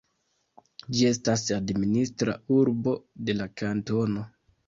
Ĝi estas administra urbo de la kantono.